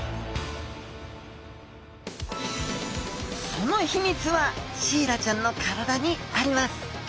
その秘密はシイラちゃんの体にあります